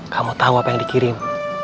kamu tahu apa yang dikirim